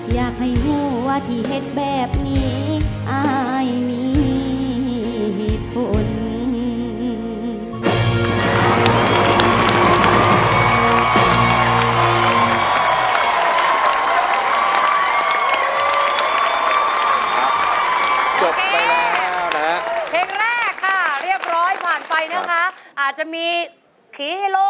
อยากให้รู้ว่าที่เห็ดแบบนี้อายมีผล